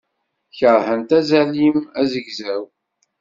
Keṛhent aẓalim azegzaw.